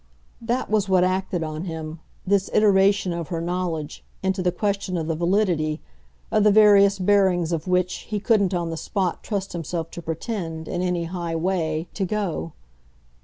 That was what acted on him, this iteration of her knowledge, into the question of the validity, of the various bearings of which, he couldn't on the spot trust himself to pretend, in any high way, to go.